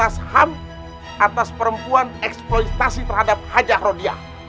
pertama komnas ham atas perempuan eksploitasi terhadap hajar rodia